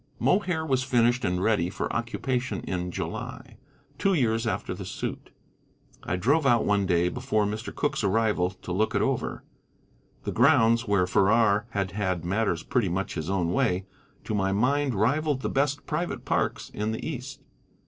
Mohair was finished and ready for occupation in July, two years after the suit. I drove out one day before Mr. Cooke's arrival to look it over. The grounds, where Farrar had had matters pretty much his own way, to my mind rivalled the best private parks in the East.